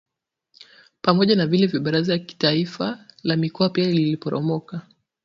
pamoja na vile vya Baraza la Kitaifa la Mikoa pia liliporomoka